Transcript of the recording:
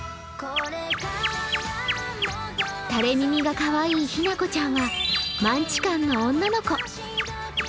垂れ耳がかわいいひな子ちゃんはマンチカンの女の子。